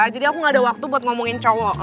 jadi aku nggak ada waktu buat ngomongin